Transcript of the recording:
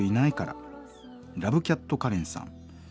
ラヴキャットカレンさん。